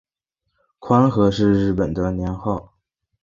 宽和是日本的年号。